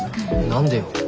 何でよ。